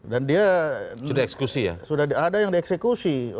dan dia sudah ada yang dieksekusi